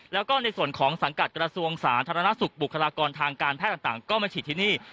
แล้วก็ในส่วนของสังกัดกระทรวงสาธารณสุขบุคลากรทางการแพทย์ต่างก็มาฉีดที่นี่